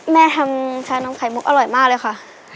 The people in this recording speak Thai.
แม่ทำชานมไข่มุกอร่อยมากเลยค่ะ